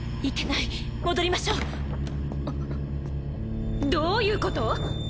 いけない戻りましょうどういうこと？